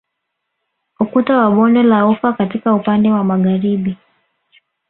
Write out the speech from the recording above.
Ukuta wa bonde la ufa katika upande wa Magharibi